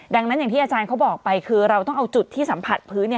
ดังนั้นอย่างที่อาจารย์เขาบอกไปคือเราต้องเอาจุดที่สัมผัสพื้น